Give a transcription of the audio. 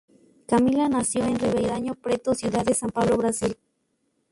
Camila nació en Ribeirão Preto, ciudad de San Pablo, Brasil.